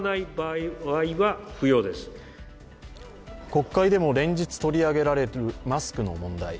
国会でも連日取り上げられるマスクの問題。